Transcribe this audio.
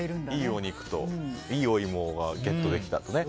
いいお肉といいお芋がゲットできたと。